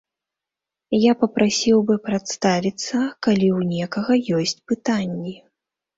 Я папрасіў бы прадставіцца, калі ў некага ёсць пытанні.